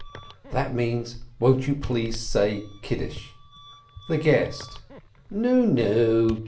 (That means, "Won't you please say Kiddush?") The guest: "Nu nu!"